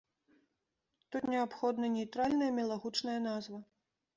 Тут неабходна нейтральная мілагучная назва.